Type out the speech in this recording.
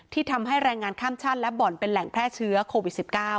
ทำให้แรงงานข้ามชาติและบ่อนเป็นแหล่งแพร่เชื้อโควิด๑๙